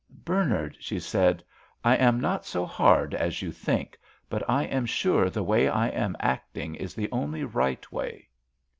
"Bernard," she said, "I am not so hard as you think, but I am sure the way I am acting is the only right way."